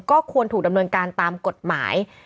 ก็ควรถูกดำเนินการตามกฎหมาย